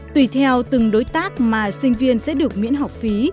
tùy theo từng đối tác mà sinh viên sẽ được miễn học phí